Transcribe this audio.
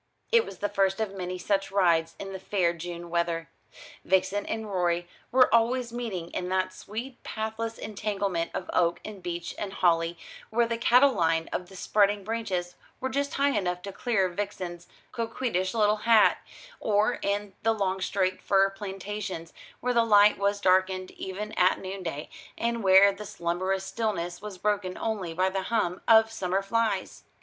It was the first of many such rides in the fair June weather. Vixen and Rorie were always meeting in that sweet pathless entanglement of oak and beech and holly, where the cattle line of the spreading branches were just high enough to clear Vixen's coquettish little hat, or in the long straight fir plantations, where the light was darkened even at noonday, and where the slumberous stillness was broken only by the hum of summer flies.